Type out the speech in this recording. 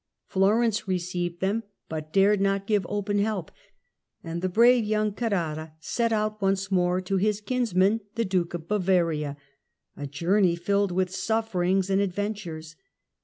Florence received them, but dared not give open help, and the brave young Carrara set out once more to his kinsman the Duke of Bavaria, a journey filled with sufferings and adventures.